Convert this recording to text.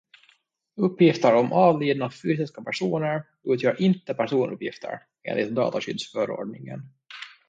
Uppgifter om avlidna fysiska personer utgör inte personuppgifter enligt dataskyddsförordningen.